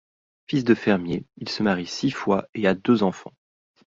Fils de fermier, il se marie six fois et a deux enfants.